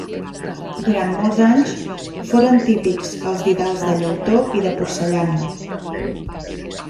Durant molts anys foren típics els didals de llautó i de porcellana.